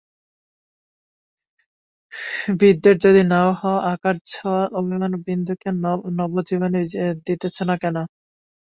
বিদ্বেষ যদি নাও হয়, আকাশছোয়া অভিমান বিন্দুকে নবজীবন দিতেছে না কেন?